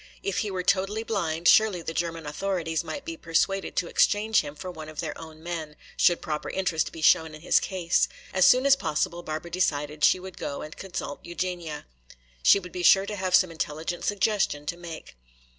If he were totally blind, surely the German authorities might be persuaded to exchange him for one of their own men, should proper interest be shown in his case. As soon as possible Barbara decided she would go and consult Eugenia. She would be sure to have some intelligent suggestion to make.